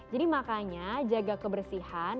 jadi makanya jaga kebersihan